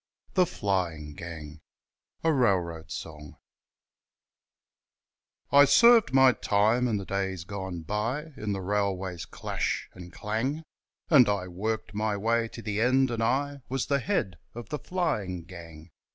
The Flying Gang I served my time, in the days gone by, In the railway's clash and clang, And I worked my way to the end, and I Was the head of the 'Flying Gang'.